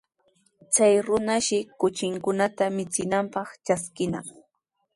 Chay runashi kuchinkunata michinanpaq traskinaq.